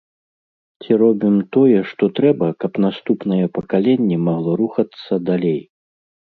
Ці робім тое, што трэба, каб наступнае пакаленне магло рухацца далей?